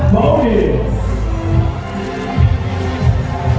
สโลแมคริปราบาล